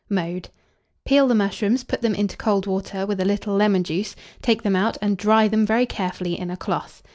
Mode. Peel the mushrooms, put them into cold water, with a little lemon juice; take them out and dry them very carefully in a cloth.